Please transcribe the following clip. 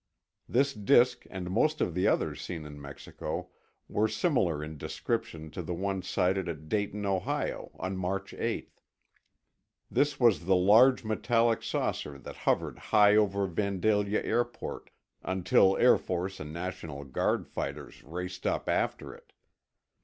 This disk and most of the others seen in Mexico were similar in description to the one sighted at Dayton, Ohio, on March 8. This was the large metallic saucer that hovered high over Vandalia Airport, until Air Force and National Guard fighters raced up after it.